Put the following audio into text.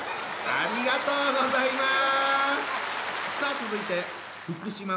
ありがとうございます！